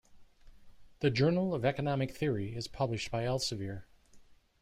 The "Journal of Economic Theory" is published by Elsevier.